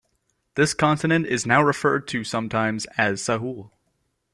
This continent is now referred to sometimes as Sahul.